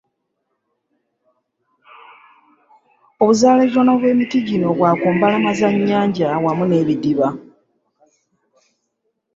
Obuzaaliranwa bw’emiti gino bwa ku mbalama za nnyanja wamu n’ebidiba.